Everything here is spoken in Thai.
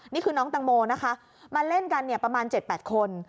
นี่คือน้องตังโมนะคะมาเล่นกันประมาณ๗๘คน